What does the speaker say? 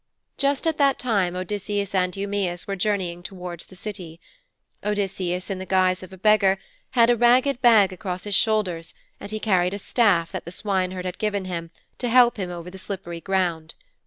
Just at that time Odysseus and Eumæus were journeying towards the City. Odysseus, in the guise of a beggar, had a ragged bag across his shoulders and he carried a staff that the swineherd had given him to help him over the slippery ground.